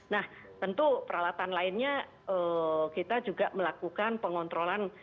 nah tentu peralatan lainnya kita juga melakukan pengontrolan